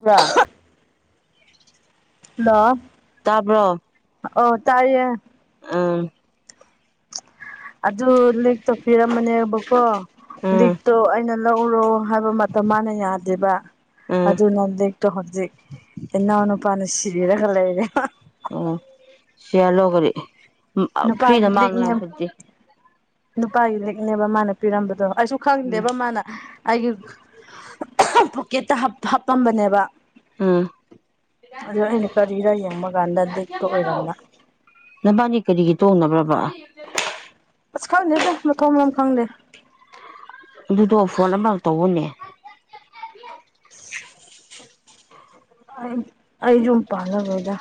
ꯕ꯭ꯔꯥ ꯂꯣ ꯇꯥꯕ꯭ꯔꯣ ꯑꯥ ꯑꯗꯨ ꯂꯤꯛꯇꯣ ꯄꯤꯔꯝꯃꯅꯦꯕꯀꯣ ꯎꯝ ꯂꯤꯛꯇꯣ ꯑꯩꯅ ꯂꯧꯔꯣ ꯍꯥꯏꯕ ꯃꯇꯝ ꯃꯥꯅ ꯌꯥꯗꯦꯕꯥ ꯎꯝ ꯑꯗꯨꯅ ꯂꯤꯛꯇꯣ ꯍꯧꯖꯤꯛ ꯏꯅꯥꯎꯅꯨꯄꯥꯅ ꯁꯤꯔꯒ ꯂꯩꯔꯦ ꯍꯥ ꯑꯣ ꯁꯤꯍꯜꯂꯣ ꯀꯔꯤ ꯎꯝ ꯐ꯭ꯔꯤꯗ ꯅꯨꯄꯥꯒꯤ ꯂꯤꯛꯅꯦ ꯃꯥꯡꯅꯉꯥꯏ ꯁꯛꯇꯤ ꯅꯨꯄꯥꯒꯤ ꯂꯤꯛꯅꯦꯕ ꯃꯥꯅ ꯄꯤꯔꯝꯕꯗꯣ ꯑꯩꯁꯨ ꯎꯝ ꯈꯪꯗꯦꯕ ꯃꯥꯅ ꯑꯩꯒꯤ ꯄꯣꯛꯀꯦꯠꯇ ꯍꯥꯞ ꯍꯥꯞꯄꯝꯕꯅꯦꯕ ꯎꯝ ꯑꯗꯨ ꯑꯩꯅ ꯀꯔꯤꯔ ꯌꯦꯡꯕ ꯀꯥꯟꯗ ꯂꯤꯛꯇꯣ ꯑꯣꯏꯔꯝꯕ ꯅꯕꯥꯅꯤ ꯀꯔꯤꯒꯤ ꯇꯣꯛꯅꯕ꯭ꯔꯕꯥ ꯑꯁ ꯈꯪꯗꯦꯗ ꯃꯊꯣꯡ ꯃꯔꯝ ꯈꯪꯗꯦ ꯑꯗꯨꯗꯣ ꯐꯣꯟ ꯑꯃꯔꯛ ꯇꯧꯑꯣꯅꯦ [inaudible] ꯑꯩ ꯑꯩ ꯌꯨꯝ ꯄꯥꯜꯂꯔꯣꯏꯗꯥ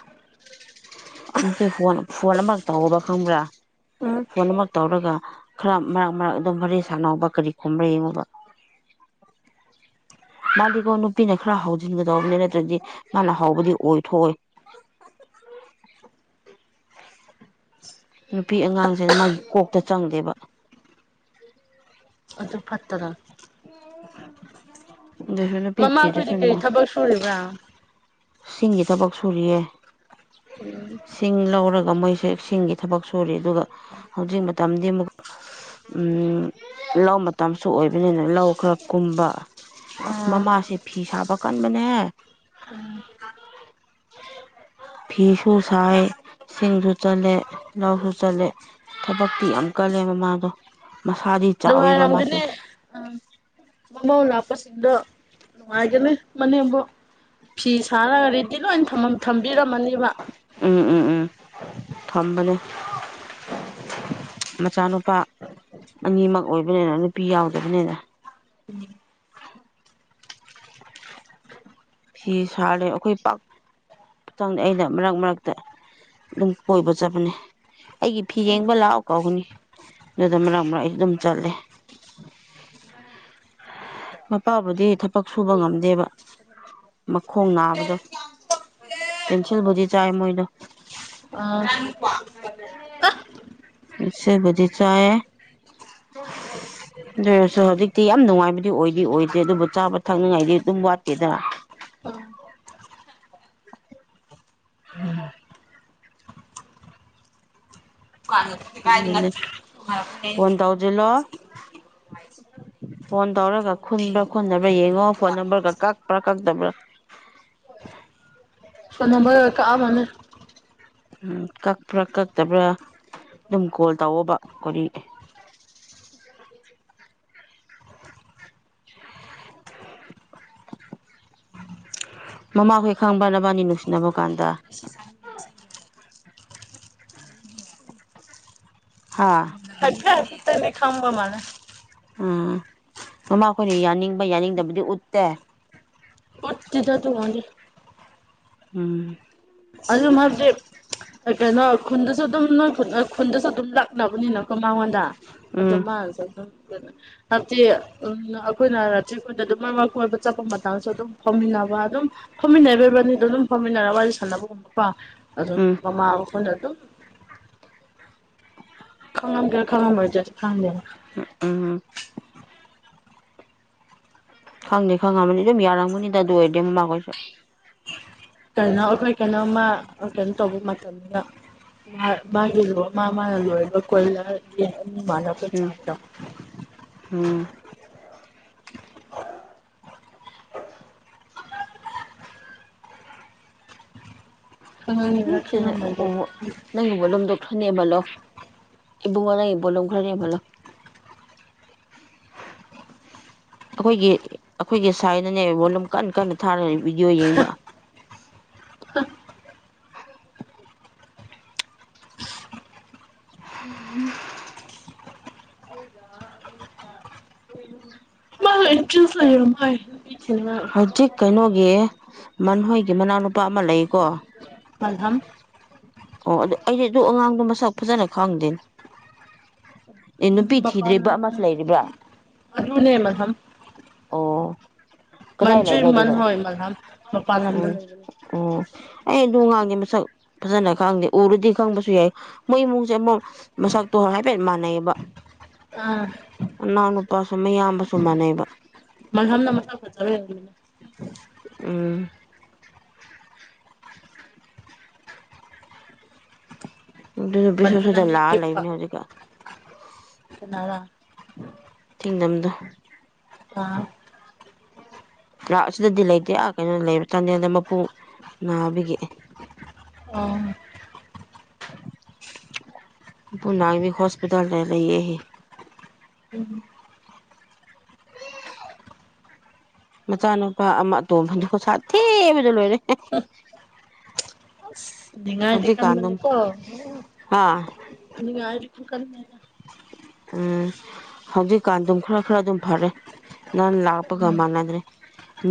ꯇꯧꯔ ꯈꯪꯕ꯭ꯔꯥ ꯐꯣꯟ ꯑꯃꯛ ꯇꯧꯔꯒ ꯈꯔ ꯃꯔꯛ ꯃꯔꯛ ꯑꯗꯨꯝ ꯋꯥꯔꯤ ꯁꯥꯟꯅꯧꯕ ꯀꯔꯤ ꯈꯨꯝꯕ꯭ꯔ ꯌꯦꯡꯉꯨꯕ ꯃꯥꯗꯤꯀꯣ ꯅꯨꯄꯤꯅ ꯈꯔ ꯍꯧꯖꯤꯟꯒꯗꯧꯕꯅꯤ ꯅꯠꯇ꯭ꯔꯗꯤ ꯃꯥꯅ ꯍꯧꯕꯗꯤ ꯑꯣꯏꯊꯣꯛꯑꯣꯏ [unintelligible] ꯅꯨꯄꯤ ꯑꯉꯥꯡꯖꯦ ꯃꯥꯒꯤ ꯀꯣꯛꯇ ꯆꯪꯗꯦꯕ ꯑꯗꯨ ꯐꯠꯇꯔ ꯑꯗꯨꯁꯨ ꯅꯨꯄꯤ ꯃꯃꯥꯈꯣꯏꯗꯤ ꯊꯤꯗ꯭ꯔꯁ ꯅꯨ ꯀꯔꯤ ꯊꯕꯛ ꯁꯨꯔꯤꯕ꯭ꯔꯥ ꯁꯤꯡꯒꯤ ꯊꯕꯛ ꯁꯨꯔꯤꯌꯦ ꯁꯤꯡ ꯂꯧꯔꯒ ꯃꯣꯏꯁꯦ ꯁꯤꯡꯒꯤ ꯊꯕꯛ ꯁꯨꯔꯤ ꯑꯗꯨꯒ ꯍꯧꯖꯤꯛ ꯃꯇꯝꯗꯤ ꯃꯨꯛ ꯎꯝ ꯂꯧ ꯃꯇꯝꯁꯨ ꯑꯣꯏꯕꯅꯤꯅ ꯂꯧ ꯈꯔ ꯀꯨꯝꯕ ꯑꯁ ꯑꯥ ꯃꯃꯥꯁꯦ ꯐꯤ ꯁꯥꯕ ꯀꯟꯕꯅꯦꯍꯦ [inaudible] ꯐꯤꯁꯨ ꯁꯥꯏ ꯁꯤꯡꯁꯨ ꯆꯠꯂꯦ ꯂꯧꯁꯨ ꯆꯠꯂꯦ ꯊꯕꯛꯇꯤ ꯌꯥꯝ ꯀꯜꯂꯦ ꯃꯃꯥꯗꯣ ꯃꯁꯥꯗꯤ ꯆꯥꯎꯋꯦꯕ ꯃꯥꯁꯨ ꯅꯨꯉꯥꯏꯔꯝꯒꯅꯤ ꯑꯝ ꯃꯃꯧ ꯂꯥꯛ ꯆꯥꯁꯤꯡꯗꯨ ꯅꯨꯡꯉꯥꯏꯒꯅꯤ ꯃꯅꯦꯝꯕꯣꯛ ꯐꯤ ꯁꯥꯔꯒ ꯔꯦꯗꯤ ꯂꯣꯏ ꯊꯝꯃꯝ ꯊꯝꯕꯤꯔꯝꯃꯅꯦꯕ ꯎꯝ ꯎꯝ ꯎꯝ ꯊꯝꯕꯅꯦ ꯃꯆꯥꯅꯨꯄꯥ ꯑꯅꯤꯃꯛ ꯑꯣꯏꯕꯅꯤꯅ ꯅꯨꯄꯤ ꯌꯥꯎꯗꯕꯅꯤꯅ [unintelligible] ꯐꯤ ꯁꯥꯔꯦ ꯑꯩꯈꯣꯏ ꯄꯥꯛ ꯆꯪꯗꯦ ꯑꯩꯅ ꯃꯔꯛ ꯃꯔꯛꯇ ꯑꯗꯨꯝ ꯀꯣꯏꯕ ꯆꯠꯄꯅꯦ ꯑꯩꯒꯤ ꯐꯤ ꯌꯦꯡꯕ ꯂꯥꯛꯑꯣ ꯀꯧꯕꯅꯦ ꯑꯗꯨꯗ ꯃꯔꯛ ꯃꯔꯛ ꯑꯩꯗꯤ ꯑꯗꯨꯝ ꯆꯠꯂꯦ ꯃꯄꯥꯕꯨꯗꯤ ꯊꯕꯛ ꯁꯨꯕ ꯉꯝꯗꯦꯕ ꯃꯈꯣꯡ ꯅꯥꯕꯗꯣ ꯄꯦꯟꯁꯤꯜꯕꯨꯗꯤ ꯆꯥꯏ ꯃꯣꯏꯗꯣ ꯎꯝ ꯑꯁꯦꯕꯗꯤ ꯆꯥꯌꯦ ꯑꯗꯨ ꯑꯣꯏꯔꯁꯨ ꯍꯧꯖꯤꯛꯇꯤ ꯌꯥꯝ ꯅꯨꯡꯉꯥꯏꯕꯗꯤ ꯑꯣꯏꯗꯤ ꯑꯣꯏꯗꯦ ꯑꯗꯨꯕꯨ ꯆꯥꯕ ꯊꯛꯅꯉꯥꯏꯗꯤ ꯑꯗꯨꯝ ꯋꯥꯠ ꯇꯦꯗ [unintelligible] ꯑꯗꯨꯅꯤ ꯐꯣꯟ [unintelligible] ꯇꯧꯁꯤꯜꯂꯣ ꯐꯣꯟ ꯇꯧꯔꯒ ꯈꯨꯟꯕ꯭ꯔꯥ ꯈꯨꯟꯗꯕ꯭ꯔꯥ ꯌꯦꯡꯉꯣ ꯐꯣꯟ ꯅꯝꯕꯔꯒ ꯀꯛꯄ꯭ꯔꯥ ꯀꯛꯇꯕ꯭ꯔꯥ ꯐꯣꯟ ꯅꯝꯕꯔ ꯀꯛꯑꯝꯃꯅꯤ ꯎꯝ ꯀꯛꯄ꯭ꯔꯥ ꯀꯛꯇꯕ꯭ꯔꯥ ꯑꯗꯨꯝ ꯀꯣꯜ ꯇꯧꯋꯣꯕ ꯀꯣꯔꯤ [unintelligible] [inaudible] ꯃꯃꯥꯍꯣꯏ ꯈꯪꯕ꯭ꯔꯥ ꯅꯕꯅꯤ ꯅꯨꯡꯁꯤꯅꯕ ꯀꯥꯟꯗ ꯍꯥ ꯑꯗꯨꯗꯤ ꯈꯪꯕ ꯃꯥꯜꯂꯦ ꯎꯝ ꯃꯃꯥ ꯈꯣꯏꯅ ꯌꯥꯅꯤꯡꯕ ꯌꯥꯅꯤꯡꯗꯕꯗꯤ ꯎꯠꯇꯦ ꯎꯠꯇꯦꯗ ꯑꯗꯨꯒꯣꯟꯗꯤ ꯎꯝ ꯑꯗꯨ ꯃꯍꯥꯛꯁꯦ ꯀꯩ ꯀꯩꯅꯣ ꯈꯨꯨꯟꯗꯁꯨ ꯑꯗꯨꯝ ꯅꯣꯏ ꯈꯨ ꯈꯨꯟꯗꯁꯨ ꯑꯗꯨꯝ ꯂꯥꯛꯅꯕꯅꯤꯅꯀꯣ ꯃꯉꯣꯟꯗ ꯑꯗꯨ ꯎꯝ ꯃꯥꯅꯁꯨ ꯑꯗꯨꯝ [unintelligible] ꯎꯝ ꯑꯈꯣꯏꯅ [unintelligible] ꯑꯗꯨꯝ ꯃꯔꯛ ꯃꯔꯛ ꯀꯣꯏꯕ ꯆꯠꯄ ꯃꯇꯥꯡꯁꯨ ꯑꯗꯨꯝ ꯐꯥꯎꯃꯤꯟꯅ ꯕ ꯑꯗꯨꯝ ꯐꯝꯃꯤꯟꯅꯕꯤꯅꯤꯗꯣ ꯑꯗꯨꯝ ꯐꯝꯃꯤꯟꯅꯔꯒ ꯋꯥꯔꯤ ꯁꯥꯟꯅꯕ ꯃꯄꯥ ꯑꯗꯨꯝ ꯎꯝ ꯃꯃꯥ ꯑꯩꯈꯣꯏꯅ ꯑꯗꯨꯝ ꯈꯪꯉꯝꯒ ꯈꯪꯉꯝꯔꯣꯏꯗ꯭ꯔꯥ ꯈꯪꯗꯦ ꯎꯝ ꯈꯪꯗꯦ ꯈꯪꯉꯝꯕꯅꯤ ꯑꯗꯨꯝ ꯌꯥꯔꯝꯒꯅꯤꯗ ꯑꯗꯨ ꯑꯣꯏꯔꯗꯤ ꯃꯃꯥ ꯈꯣꯏꯁꯨ ꯀꯩꯅꯣ ꯑꯩꯈꯣꯏ ꯀꯩꯅꯣꯝꯃ ꯀꯩꯅꯣ ꯇꯧꯕ ꯃꯇꯝꯅꯤꯗ ꯃꯥ ꯃꯥꯒꯤ ꯂꯣꯏ ꯃꯥ ꯃꯥꯅ ꯂꯣꯏꯔꯤꯕ ꯀꯣꯏꯂꯔꯒꯤ ꯎꯝ ꯎꯝ [inaudible] ꯈꯪꯉꯝꯒꯦꯔꯥ ꯈꯪꯉꯝꯃꯣꯏꯗ꯭ꯔꯗꯤ [unintelligible] ꯅꯪꯒꯤ ꯚꯣꯂꯨꯝꯗꯣ ꯈꯟꯅꯦꯕꯂꯣ ꯏꯕꯨꯡꯉꯣ ꯅꯪꯒꯤ ꯚꯣꯂꯨꯝ ꯈꯔ ꯌꯦꯡꯍꯜꯂꯣ [unintelligible] ꯑꯥꯈꯣꯏꯒꯤ ꯑꯥꯈꯣꯏꯒꯤ ꯁꯥꯏꯅꯅꯦ ꯚꯣꯂꯨꯝ ꯀꯟꯅ ꯀꯟꯅ ꯊꯥꯔ ꯚꯤꯗꯤꯑꯣ ꯌꯦꯡꯕ ꯍꯥ [unintelligible] ꯍꯝ [unintelligible] [unintelligible] ꯍꯧꯖꯤꯛ ꯀꯩꯅꯣꯒꯤ ꯃꯟꯍꯣꯏꯒꯤ ꯃꯅꯥꯎꯅꯨꯄꯥ ꯑꯃ ꯂꯩꯌꯦꯀꯣ ꯃꯟꯍꯝ ꯑꯣ ꯑꯗꯨ ꯑꯩꯗꯤ ꯑꯗꯨ ꯑꯉꯥꯡꯗꯣ ꯃꯁꯛ ꯐꯖꯅ ꯈꯪꯗꯦꯅꯦ ꯑꯦ ꯅꯨꯄꯤ ꯎꯝ ꯃꯄꯥꯟ ꯊꯤꯗ꯭ꯔꯤꯕꯥ ꯂꯝꯗ ꯑꯃꯁꯨ ꯂꯩ ꯂꯩꯔꯤꯕ꯭ꯔꯥ ꯑꯗꯨꯅꯦ ꯃꯜꯍꯝ ꯑꯣ ꯀꯗꯥꯏ ꯃꯟꯖꯨ ꯂꯩꯥꯕ ꯃꯟ ꯑꯗꯨꯗꯣ ꯍꯣꯏ ꯃꯜꯍꯝ ꯃꯄꯥꯟ ꯂꯝꯗ ꯎꯝ ꯂꯩꯕꯅꯦ ꯎꯝ ꯑꯩ ꯑꯗꯨ ꯑꯉꯥꯡꯗꯤ ꯃꯁꯛ ꯐꯖꯅ ꯈꯪꯗꯦ ꯎꯔꯨꯗꯤ ꯈꯪꯕꯁꯨ ꯌꯥꯏ ꯃꯣꯏ ꯏꯃꯨꯡꯁꯦ ꯑꯃꯨꯛ ꯃꯁꯛꯇꯣ ꯍꯥꯏꯐꯦꯠ ꯃꯥꯟꯅꯩꯌꯦꯕ [unintelligible] ꯃꯅꯥꯎꯅꯨꯄꯥꯁꯨ ꯝꯌꯥꯝꯕꯁꯨ ꯃꯥꯟꯅꯩꯌꯦꯕ [unintelligible] ꯎꯝ ꯑꯗꯨ ꯕꯤꯁꯦꯁꯣꯔ ꯃꯟꯖꯨꯅ ꯍꯣꯏꯗ ꯃꯤ ꯂꯥꯛꯑꯒ ꯂꯩꯕꯅꯦ ꯍꯧꯖꯤꯛꯀꯥꯟ ꯅꯔꯥ ꯊꯤꯡꯗꯝꯗꯣ ꯑꯥ ꯂꯥꯛ ꯑꯁꯤꯗꯗꯤ ꯂꯩꯇꯦ ꯑꯥ ꯀꯩꯅꯣ ꯂꯩꯕ ꯆꯥꯟꯗꯦꯜꯗ ꯃꯄꯨ ꯅꯥꯕꯒꯤ ꯑꯥ ꯄꯨ ꯅꯥꯕꯒꯤ ꯍꯣꯁꯄꯤꯇꯥꯜꯗ ꯂꯩꯌꯦ ꯍꯦ [unintelligible] ꯃꯆꯥꯅꯨꯄꯥ ꯑꯃ ꯑꯇꯣꯝꯕꯗꯣ ꯁꯥꯊꯤꯕꯗ ꯂꯣꯏꯔꯦ ꯍꯦ [unintelligible] ꯅꯤꯡꯉꯥꯢꯗꯤ ꯍꯧꯖꯤꯛꯀꯥꯟ ꯑꯗꯨꯝ ꯀꯟꯕꯅꯦꯀꯣ ꯍꯥ ꯅꯤꯡꯉꯥꯢꯗꯤ ꯗꯨꯝ ꯀꯟꯕꯗ ꯎꯝ ꯍꯧꯖꯤꯛꯀꯥꯟ ꯗꯨꯝ ꯈ꯭ꯔ ꯈ꯭ꯔ ꯗꯨꯝ ꯐꯔꯦ ꯅꯥꯟ ꯂꯥꯛꯄꯒ ꯃꯥꯟꯅꯗ꯭ꯔꯦ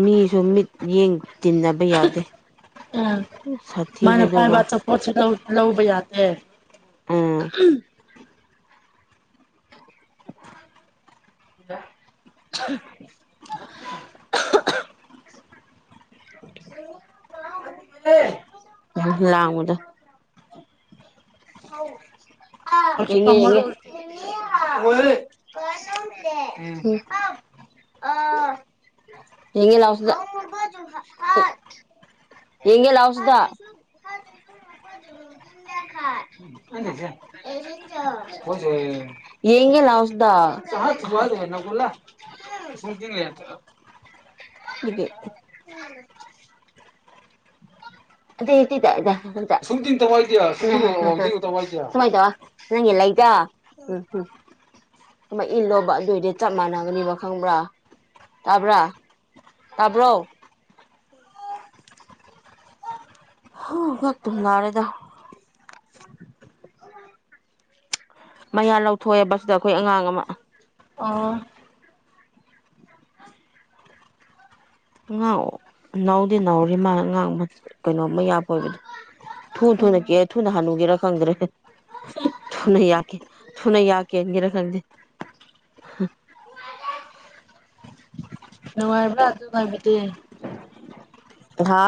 ꯃꯤꯁꯨ ꯃꯤꯠ ꯌꯦꯡ ꯇꯤꯟꯅꯕ ꯌꯥꯗꯦ ꯎꯝ ꯃꯥꯅ ꯁꯥꯊꯤꯕꯅꯦ ꯑꯗꯨ ꯄꯥꯏꯕ ꯉꯥꯛ ꯑꯆꯥꯄꯣꯠꯁꯦ ꯂꯧ ꯂꯧꯕ ꯌꯥꯗꯦ ꯎꯝ [inaudible] [inaudible] ꯌꯥꯝ ꯂꯥꯡꯕꯗꯣ ꯌꯦꯡꯉꯦ ꯍꯧꯖꯤꯛꯐꯥꯎ ꯌꯦꯡꯉꯦ ꯃꯔꯣꯜ ꯊꯣꯛꯇ꯭ꯔꯤ ꯍꯥꯏꯅꯦ [unintelligible] ꯑꯥ ꯌꯦꯡꯒꯦ ꯌꯥꯎ ꯁꯤꯗ ꯑꯃꯨꯕꯗꯨ ꯍ ꯍꯥꯠ ꯌꯦꯡꯒꯦ ꯂꯥꯎꯁꯤꯗ ꯌꯦꯡꯒꯦ ꯂꯥꯎꯁꯤꯗ [unintelligible] ꯕꯦꯕꯤ ꯎꯝ [inaudible] [unintelligible] ꯎꯝ ꯎꯝ ꯁꯨꯃꯥꯢ ꯏꯜ ꯂꯣꯕ ꯑꯗꯨꯏꯗꯤ ꯆꯞ ꯃꯥꯟꯅꯒꯅꯤꯕ ꯈꯪꯕ꯭ꯔꯥ ꯇꯥꯕ꯭ꯔꯥ ꯇꯥꯕ꯭ꯔꯣ [inaudible] ꯍ ꯉꯛꯇꯨꯝ ꯅꯥꯔꯦꯗ ꯃꯌꯥ ꯂꯧꯊꯣꯛꯑꯦꯕ ꯁꯤꯗ ꯑꯩꯈꯣꯏ ꯑꯉꯥꯡ ꯑꯃ ꯑꯣ ꯑꯉꯥꯡ ꯅꯥꯎꯗꯤ ꯅꯧꯔꯤ ꯃꯥꯅ ꯑꯉꯥꯡ ꯀꯩꯅꯣꯝ ꯃꯌꯥ ꯑꯣꯏꯕꯗꯣ ꯊꯨꯅ ꯊꯨꯅ ꯎꯝ ꯀꯦ ꯊꯨꯅ ꯍꯅꯨꯒꯦꯔꯥ ꯈꯪꯗ꯭ꯔꯦ ꯊꯨꯅ ꯌꯥ ꯀꯦ ꯊꯨꯅ ꯌꯥ ꯀꯦꯟꯒꯦꯔ ꯈꯪꯗꯦ ꯍ ꯅꯨꯡꯉꯥꯏꯔꯤꯕ ꯑꯗꯨ ꯉꯥꯢꯕꯗꯤ ꯍꯥ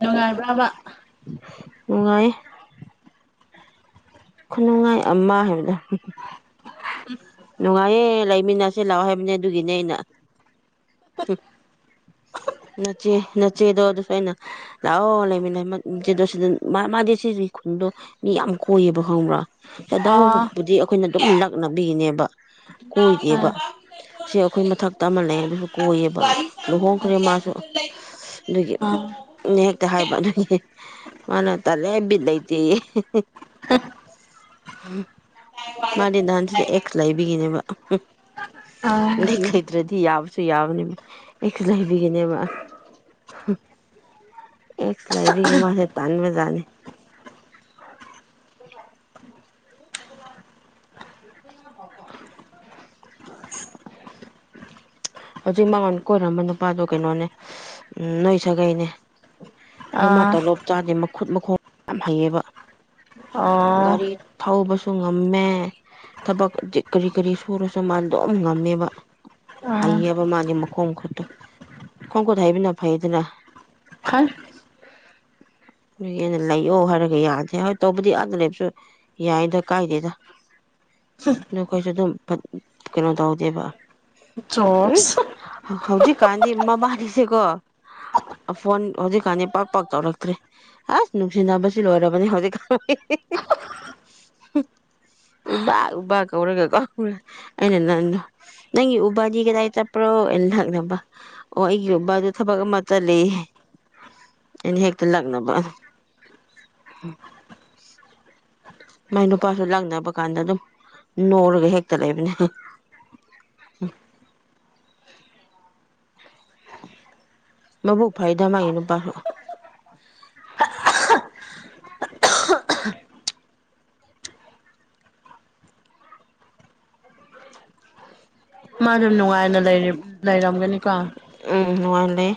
ꯅꯨꯡꯉꯥꯏꯕ꯭ꯔꯕ ꯅꯨꯡꯉꯥꯏꯌꯦ ꯈꯨꯅꯨꯡꯉꯥꯏ ꯑꯃ ꯍꯥꯏꯕꯗꯨ ꯍꯝ ꯍꯝ ꯅꯨꯡꯉꯥꯏꯌꯦ ꯂꯩꯃꯤꯟꯅꯁꯦ ꯂꯥꯛꯑꯣ ꯍꯥꯏꯕꯅꯦ ꯑꯗꯨꯒꯤꯅꯦ ꯑꯩꯅ ꯎꯝ ꯅꯆꯦ ꯅꯆꯦꯗꯣ ꯑꯗꯨꯁꯨ ꯑꯩꯅ ꯂꯥꯛꯑꯣ ꯂꯩꯃꯤꯟꯅ ꯃ ꯅꯆꯦꯗꯨ ꯁ ꯃ ꯃꯥ ꯃꯥꯗꯤ ꯁꯤꯖꯤ ꯈꯨꯟꯗꯣ ꯃꯤ ꯌꯥꯝ ꯀꯣꯏꯌꯦꯕ ꯈꯪꯕ꯭ꯔꯥ ꯑ ꯆꯗ ꯑ ꯍꯧꯕꯕꯨꯗꯤ ꯑꯩꯈꯣꯏꯅ ꯑꯗꯨꯝ ꯂꯛꯅꯕꯤꯅꯦꯕ ꯀꯣꯏꯗꯦꯕ ꯑ ꯁꯤ ꯑꯩꯈꯣꯏ ꯃꯊꯛꯇ ꯑꯃ ꯂꯩ ꯑꯗꯨꯁꯨ ꯀꯣꯏꯌꯦꯕ ꯂꯨꯍꯣꯡꯈ꯭ꯔꯦ ꯃꯥꯁꯨ ꯁ ꯑꯗꯨꯒꯤ ꯍꯦꯛꯇ ꯍꯥꯏꯕ ꯍ ꯍ ꯑꯗꯨꯒꯤ ꯃꯥꯅ ꯇꯜꯂꯦ ꯕꯤꯠ ꯂꯩꯇꯦꯌꯦ ꯍꯝ ꯃꯥꯗꯤ ꯅꯍꯥꯟ ꯁꯤꯗ ꯑꯦꯛꯁ ꯂꯩꯕꯤꯒꯤꯅꯦꯕ ꯑꯍꯝ ꯑ ꯂꯩ ꯂꯩꯇ꯭ꯔꯗꯤ ꯌꯥꯕꯁꯨ ꯌꯥꯕꯅꯦꯕ ꯑꯦꯛꯁ ꯂꯩꯕꯒꯤꯅꯦꯕ ꯑꯦꯛꯁ ꯂꯩꯕꯒꯤ ꯃꯥꯁꯦ ꯇꯟꯕꯖꯅꯦ [inaudible] [inaudible] [inaudible] ꯍꯧꯖꯤꯛ ꯃꯉꯣꯟ ꯀꯣꯏꯔꯝꯕ ꯅꯨꯄꯥꯗꯣ ꯀꯩꯅꯣꯅꯦ ꯎꯝ ꯅꯣꯏ ꯁꯥꯒꯩꯅꯦ ꯑꯗꯨ ꯃ ꯇꯣꯂꯣꯞ ꯆꯥꯗꯦ ꯃꯈꯨꯠ ꯃꯈꯣꯡ ꯌꯥꯝ ꯍꯩꯌꯦꯕ ꯒꯔꯤ ꯊꯥꯎꯕꯁ ꯁꯨ ꯉꯝꯃꯦ ꯊꯕꯛ ꯀꯔꯤ ꯀꯔꯤ ꯁꯨꯔꯁꯨ ꯃꯥ ꯑꯗꯨꯝ ꯉꯝꯃꯦꯕ ꯑ ꯍꯩꯌꯦꯕ ꯃꯥꯗꯤ ꯃꯈꯣꯡ ꯈꯨꯠꯇꯣ ꯃꯈꯣꯡ ꯈꯨꯠꯇ ꯍꯩꯕꯅ ꯐꯩꯗꯅ ꯍꯥꯏ [inaudible] ꯑꯗꯨꯒꯤ ꯑꯩꯅ ꯂꯩꯌꯣ ꯍꯥꯏꯔꯒ ꯌꯥꯗꯦ ꯍꯣꯏ ꯇꯧꯕꯗꯤ ꯑꯥꯗ ꯂꯩꯕꯁꯨ ꯌꯥꯏꯗ ꯀꯥꯏꯗꯦꯗ [inaudible] ꯅꯈꯣꯏꯁꯨ ꯑꯗꯨꯝ ꯄꯠ ꯀꯩꯅꯣ ꯇꯧꯗꯦꯕ ꯎꯝ ꯖꯣꯁ ꯍꯧꯖꯤꯛꯀꯥꯟꯗꯤ ꯃꯕꯥꯅꯤꯁꯦꯀꯣ ꯐꯣꯟ ꯍꯧꯖꯤꯛꯀꯥꯟꯗꯤ ꯄꯥꯛ ꯄꯥꯛ ꯇꯧꯔꯛꯇ꯭ꯔꯦ ꯑꯁ ꯅꯨꯡꯁꯤꯅꯕꯁꯨ ꯂꯣꯏꯔꯕꯅꯦ ꯍꯧꯖꯤꯛꯀꯥꯟ [unintelligible] [inaudible] ꯎꯕ ꯎꯕ ꯀꯧꯔꯒ ꯀꯧꯔꯒ ꯑꯩꯅ ꯅ ꯅꯪꯒꯤ ꯕꯥꯗꯤ ꯀꯗꯥꯏ ꯆꯠꯄ꯭ꯔꯣ ꯑ ꯅꯛꯅꯕ ꯑꯣ ꯑꯩꯒꯤꯕꯗ ꯊꯕꯛ ꯑꯃꯠꯇ ꯂꯩ ꯏꯅꯤ ꯍꯦꯛꯇ ꯂꯛꯅꯕ ꯃꯥꯏ ꯅꯨꯄꯥꯁꯨ ꯂꯛꯅꯕ ꯀꯥꯟꯗ ꯑꯗꯨꯝ ꯅꯣꯔꯒ ꯍꯦꯛꯇ ꯂꯩꯕꯅꯦ ꯎꯝ [inaudible] ꯃꯕꯨꯛ ꯐꯩꯗ ꯃꯥꯏ ꯅꯨꯄꯥꯁꯨ [inaudible] ꯃꯥ ꯗꯨ ꯅꯨꯡꯉꯥꯏꯅ ꯂꯩ ꯂꯩꯔꯝꯒꯅꯤꯀꯣ ꯎ ꯅꯨꯡꯉꯥꯏ ꯂꯩ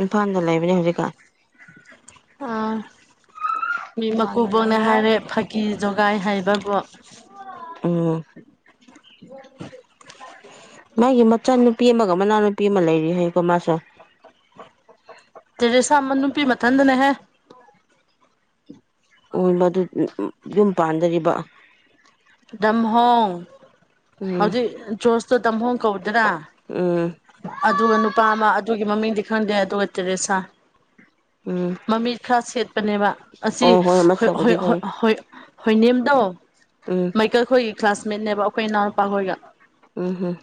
ꯏꯝꯐꯥꯜꯗ ꯂꯩꯕꯅꯦ ꯍꯧꯖꯤꯛꯀꯥꯟ ꯑꯥ ꯃꯤ ꯃꯀꯨꯕꯣꯛꯅ ꯍꯥꯏꯔꯦ ꯐꯥꯀꯤ ꯖꯣꯒꯥꯏ ꯍꯩꯕ ꯕꯣ ꯎꯝ ꯃꯥꯒꯤ ꯃꯆꯥꯅꯨꯄꯤ ꯑꯃꯒ ꯃꯅꯥꯎꯅꯨꯄꯤ ꯑꯃ ꯂꯩꯔꯤ ꯍꯥꯏꯀꯣ ꯃꯥꯁꯣ [inaudible] ꯇꯦꯔꯦꯁꯥ ꯑꯃ ꯅꯨꯄꯤ ꯃꯊꯟꯗꯅꯦꯍꯦ ꯍꯣꯏ ꯃꯗꯨ ꯌꯨꯝ ꯄꯥꯟꯗꯔꯤꯕ ꯇꯝꯍꯣꯡ ꯎꯝ ꯍꯧꯖꯤꯛ ꯖꯣꯔꯁꯇꯣ ꯇꯝꯍꯣꯡ ꯀꯧꯗ꯭ꯔꯥ ꯎꯝ ꯑꯗꯨꯒ ꯅꯨꯄꯥ ꯑꯃ ꯑꯗꯨꯒꯤ ꯃꯃꯤꯡꯗꯤ ꯈꯪꯗꯦ ꯑꯗꯨꯒ ꯇꯦꯔꯦꯁꯥ ꯎꯝ ꯃꯃꯤꯠ ꯈꯔ ꯁꯦꯠꯄꯅꯦꯕ ꯑꯁꯤ ꯑꯣ ꯍꯣꯏ ꯍꯣꯏ ꯃꯁꯛꯄꯨꯗꯤ ꯈꯪꯉꯦ ꯍꯣꯏ ꯍꯣꯏꯅꯦꯝꯗꯣ ꯎꯝ ꯑꯩꯈꯣꯏꯒꯤ ꯀ꯭ꯂꯥꯁꯃꯦꯠꯅꯦꯕ ꯑꯩꯈꯣꯏ ꯏꯅꯥꯎꯅꯨꯄꯥ ꯈꯣꯏꯒ ꯎꯝ ꯍꯝ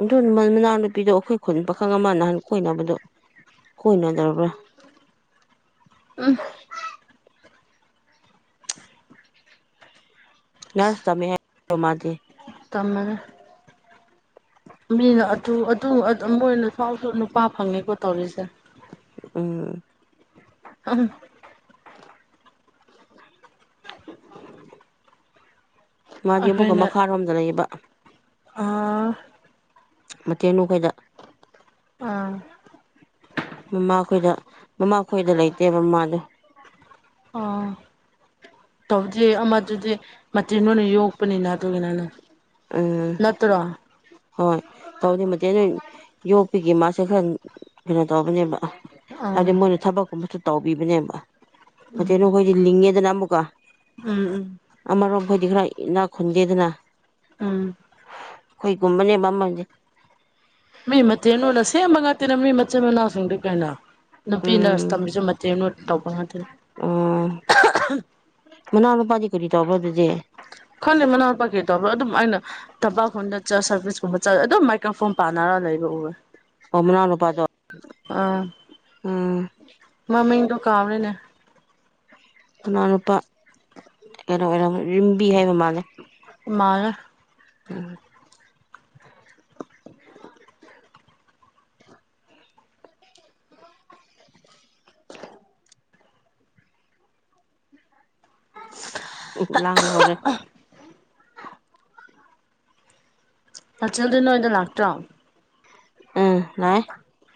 ꯑꯗꯨꯃꯟ ꯃꯅꯥꯎ ꯅꯨꯄꯤꯗꯣ ꯑꯩꯈꯣꯏ ꯈꯨꯟ ꯄꯥꯈꯪ ꯑꯃ ꯅꯍꯥꯟ ꯀꯣꯏꯅꯕꯗꯣ ꯀꯣꯏꯅꯠꯗ꯭ꯔꯕ꯭ꯔ ꯎꯝ ꯅꯔꯁ ꯇꯃꯦ ꯃꯥꯗꯤ ꯇꯝ ꯃꯅꯦ ꯃꯤꯅ ꯑꯗꯨ ꯑꯗꯨ ꯃꯣꯏꯅ ꯁꯥꯎꯁꯨ ꯅꯨꯄꯥ ꯐꯪꯉꯦꯀꯣ ꯇꯧꯔꯤꯁꯦ ꯎꯝ ꯑ ꯑꯝ ꯃꯥꯗꯤ ꯑꯃꯨꯛꯀ ꯑꯩꯈꯣꯏꯅ ꯃꯈꯥꯔꯣꯝꯗ ꯂꯩꯌꯦꯕ ꯑꯥ ꯃꯇꯦꯡꯅꯨꯈꯣꯏꯗ ꯑꯥ ꯃꯃꯥ ꯈꯣꯏꯗ ꯃꯃꯥ ꯈꯣꯏꯗ ꯂꯩꯇꯦꯕ ꯃꯃꯥꯗꯣ ꯑꯥ ꯇꯧꯗꯦ ꯑꯃꯗꯨꯗꯤ [unintelligible] ꯌꯣꯛꯄꯅꯤꯅ ꯑꯗꯨꯒꯤꯅꯅ ꯎꯝ ꯅꯠꯇ꯭ꯔ ꯍꯣꯏ ꯇꯧꯗꯤ ꯃꯇꯦ ꯅꯣꯏ ꯌꯣꯛꯄꯤꯒꯦ ꯃꯥꯁꯦ ꯈꯔ ꯀꯩꯅꯣ ꯇꯧꯕꯅꯦꯕ ꯑꯥ ꯍꯥꯏꯕꯗꯤ ꯃꯣꯏꯅ ꯊꯕꯛꯀꯨꯝꯕꯁꯨ ꯇꯧꯕꯤꯕꯅꯦꯕ ꯎꯝ ꯄꯣꯇꯦꯅꯣ ꯍꯣꯏꯗꯤ ꯂꯤꯡꯉꯦꯗꯅ ꯃꯨꯛꯀ ꯎꯝ ꯎꯝ ꯑꯈꯣꯏꯗꯤ ꯈꯔ ꯏꯅꯥ ꯈꯨꯟꯗꯦꯗꯅ ꯎꯝ ꯑꯈꯣꯏꯒꯨꯝꯕꯅꯦꯕ ꯃꯣꯏꯗꯤ ꯃꯤ ꯃꯇꯦꯟꯅꯨꯅ ꯁꯦꯝꯕꯥ ꯉꯛꯇꯅꯦꯕꯥ ꯃꯤ ꯃꯆꯤꯟ ꯃꯅꯥꯎ ꯁꯤꯉꯗꯤ ꯀꯩꯃꯣ ꯅꯨꯄꯤ ꯅꯔꯁ ꯎꯝ ꯇꯝꯕꯤꯁꯨ ꯃꯇꯦꯅꯨꯅ ꯇꯧꯕ ꯉꯥꯛꯇꯅꯤ ꯃꯅꯥꯎꯅꯨꯄꯥꯗꯤ ꯀꯔꯤ ꯇꯧꯕꯔꯣ ꯑꯗꯨꯗꯤ ꯈꯪꯗꯦ ꯃꯅꯥꯎꯄꯥ ꯀꯔꯤ ꯊꯧꯕ꯭ꯔꯣ ꯑꯗꯨꯝ ꯑꯩꯅ ꯊꯕꯛ ꯀꯨꯝꯕ ꯆꯠ ꯁ꯭ꯔꯕꯤꯁ ꯀꯨꯝꯕ ꯆꯠ ꯑꯗꯨꯝ ꯃꯥꯏꯛꯀ꯭ꯔꯐꯣꯟ ꯄꯥꯟꯅꯔ ꯂꯩꯕ ꯑꯨꯌꯦ ꯑꯣ ꯃꯅꯥꯎꯅꯨꯄꯥ ꯗꯣ ꯃꯃꯤꯡꯗꯣ ꯀꯥꯎꯔꯦꯅꯦ ꯃꯅꯥꯎꯅꯨꯄꯥ ꯀꯩꯅꯣ ꯑꯣꯏꯔꯝꯅꯤ ꯔꯤꯟꯕꯤ ꯍꯥꯏꯕ ꯃꯥꯜꯂꯦ ꯃꯥꯂꯦ ꯎꯝ [unintelligible] ꯎꯝ ꯂꯥꯡꯕ ꯍꯧꯔꯦ ꯑꯁꯜꯗꯤ ꯅꯣꯏꯗ ꯂꯥꯛꯇ꯭ꯔꯣ ꯎꯝ ꯂꯥꯛ ꯑꯦ